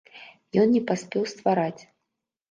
Ён не паспеў ствараць.